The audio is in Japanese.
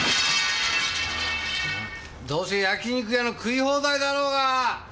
どうせ焼肉屋の食い放題だろうが！